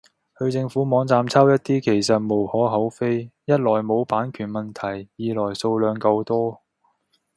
去政府網站抄一啲其實無可厚非，一來冇版權問題，二來數量夠多